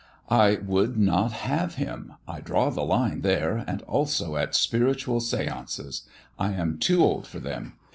"I would not have him. I draw the line there, and also at spiritual seances. I am too old for them.